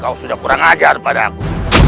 kau sudah kurang ajar padaku